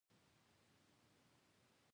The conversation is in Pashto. احمداباد ولسوالۍ د پکتيا ولايت یوه ولسوالی ده